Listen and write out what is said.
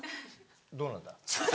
どうなんだ？